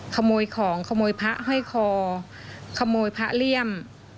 ขโมยของขโมยพระห้อยคอขโมยพระเลี่ยม